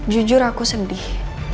jujur aku sedih